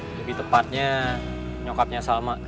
lebih tepatnya nyokapnya salma